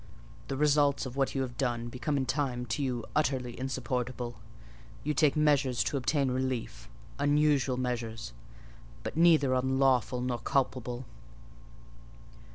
The results of what you have done become in time to you utterly insupportable; you take measures to obtain relief: unusual measures, but neither unlawful nor culpable.